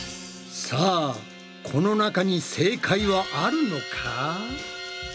さあこの中に正解はあるのか？